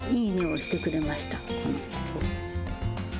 いいねを押してくれました。